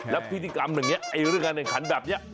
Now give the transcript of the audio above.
แล้วพิธีกรรมอย่างนี้เรื่องการแข่งขันแบบนี้